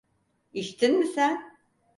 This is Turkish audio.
İçtin mi sen?